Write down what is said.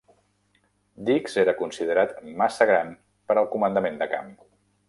Dix era considerat massa gran per al comandament de camp.